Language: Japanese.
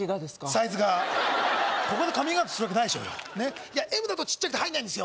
サイズがここでカミングアウトするわけないでしょＭだと入んないんですよ